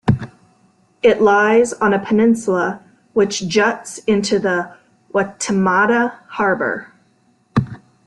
It lies on a peninsula which juts into the Waitemata Harbour.